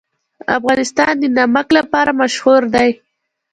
افغانستان د نمک لپاره مشهور دی.